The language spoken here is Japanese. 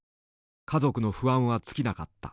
家族の不安は尽きなかった。